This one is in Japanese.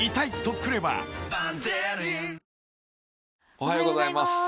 おはようございます。